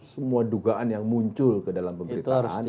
semua dugaan yang muncul ke dalam pemberitaan